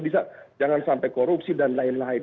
bisa jangan sampai korupsi dan lain lain